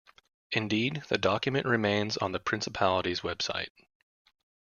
Indeed, the document remains on the Principality's website.